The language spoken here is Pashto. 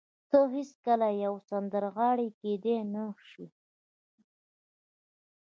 ته هېڅکله يوه سندرغاړې کېدای نه شې.